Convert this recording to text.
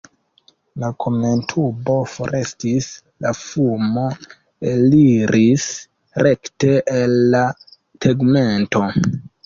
La kamentubo forestis, la fumo eliris rekte el la tegmento.